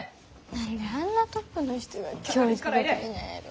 何であんなトップの人が教育係なんやろ？